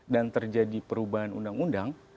dan terjadi perubahan undang undang